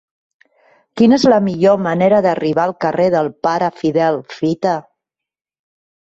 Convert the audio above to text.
Quina és la millor manera d'arribar al carrer del Pare Fidel Fita?